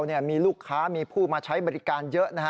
มีลูกค้ามีผู้มาใช้บริการเยอะนะฮะ